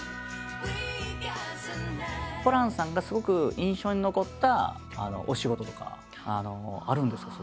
ホランさんがすごく印象に残ったお仕事とかあるんですか？